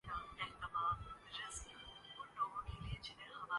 Kuwait city میں پاکستان کے وزیر داخلہ کی کویت کے وزیراعظم سے ملاقات ہوئی ہے